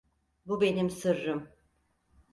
Bu benim sırrım.